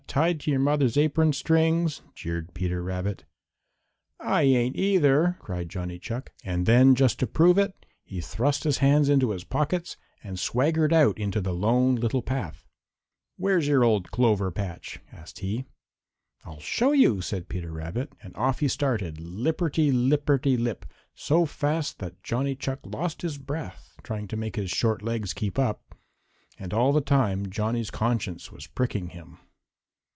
Tied to your mother's apron strings!" jeered Peter Rabbit. "I ain't either!" cried Johnny Chuck. And then, just to prove it, he thrust his hands into his pockets and swaggered out into the Lone Little Path. "Where's your old clover patch?" asked he. "I'll show you," said Peter Rabbit, and off he started, lipperty lipperty lip, so fast that Johnny Chuck lost his breath trying to make his short legs keep up. And all the time Johnny's conscience was pricking him.